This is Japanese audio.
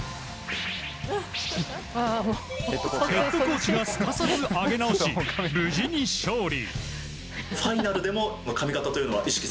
ヘッドコーチがすかさず上げ直し無事に勝利。